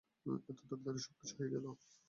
এতো তাড়াতাড়ি সবকিছু হয়ে গেলো।